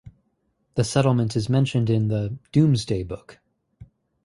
The settlement is mentioned in the "Domesday Book".